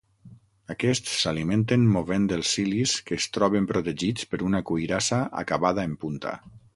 Aquests s'alimenten movent els cilis que es troben protegits per una cuirassa acabada en punta.